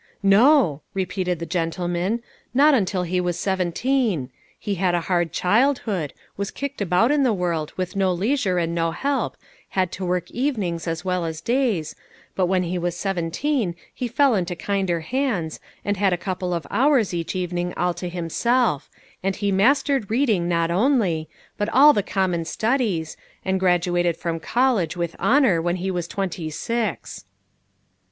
" No," repeated the gentleman, " not until he was seventeen. He had a hard childhood was kicked about in the world, with no leisure and no help, had to work evenings as well as days, but when he was seventeen he fell into kinder hands, and had a couple of hours each evening 350 LITTLE FISHEES : AND THEIE NETS. all to himself, and he mastered reading, not only, but all the common studies, and graduated from college with honor when he was twenty six."